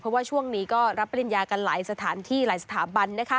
เพราะว่าช่วงนี้ก็รับปริญญากันหลายสถานที่หลายสถาบัน